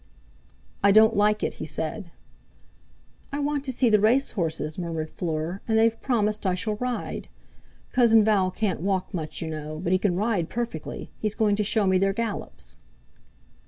"I don't like it!" he said. "I want to see the race horses," murmured Fleur; "and they've promised I shall ride. Cousin Val can't walk much, you know; but he can ride perfectly. He's going to show me their gallops."